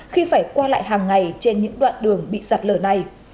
khi phải qua lại hàng ngày trên những đoạn đường bị sạt lở này